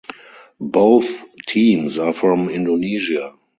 Both teams are from Indonesia.